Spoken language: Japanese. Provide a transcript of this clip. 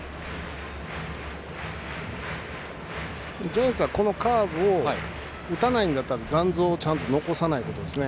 ジャイアンツはカーブを打たないんだったら残像を残さないことですね。